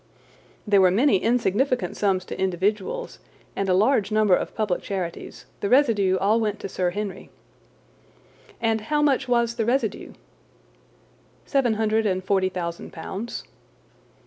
"There were many insignificant sums to individuals, and a large number of public charities. The residue all went to Sir Henry." "And how much was the residue?" "Seven hundred and forty thousand pounds."